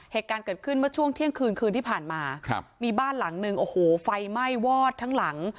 เหตุการณ์เกิดขึ้นเมื่อช่วงเที่ยงคืนคืนที่ผ่านมาครับมีบ้านหลังนึงโอ้โหไฟไหม้วอดทั้งหลัง